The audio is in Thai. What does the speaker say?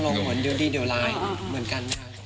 เหมือนเดียวดีเดี๋ยวร้ายเหมือนกันนะ